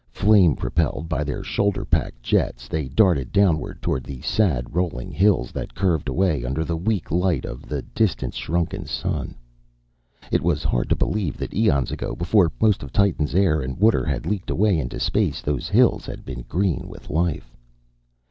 Flame propelled by their shoulder pack jets, they darted downward toward the sad, rolling hills that curved away under the weak light of the distance shrunken sun. It was hard to believe that eons ago, before most of Titan's air and water had leaked away into space, those hills had been green with life.